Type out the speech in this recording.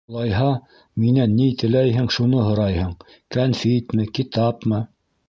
— Улайһа, минән ни теләйһең, шуны һорайһың: кәнфитме, китапмы...